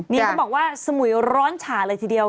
นี่เขาบอกว่าสมุยร้อนฉ่าเลยทีเดียว